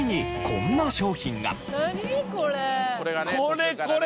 これこれ！